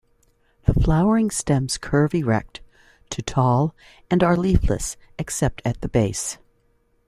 The flowering stems curve erect, to tall, and are leafless except at the base.